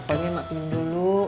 teleponnya mak pilih dulu